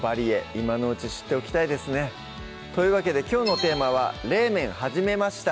今のうち知っておきたいですねというわけできょうのテーマは「冷麺はじめました！」